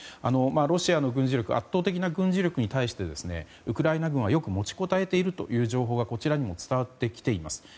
ロシアの軍事力圧倒的な軍事力に対してウクライナ軍はよく持ちこたえているという情報がこちらにも伝わってきています。